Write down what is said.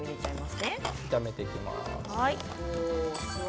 炒めていきます。